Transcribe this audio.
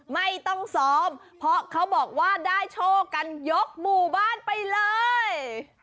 ไม่ต้องซ้อมเพราะเขาบอกว่าได้โชคกันยกหมู่บ้านไปเลย